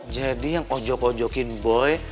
jadi yang ojok ojokin boy